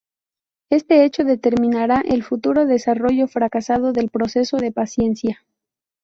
Este hecho determinará el futuro desarrollo fracasado del proceso de paciencia.